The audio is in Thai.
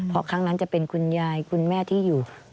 เพราะครั้งนั้นจะเป็นคุณยายคุณแม่ที่อยู่